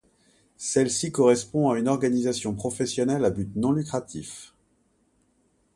Celle-ci correspond à une organisation professionnelle à but non lucratif.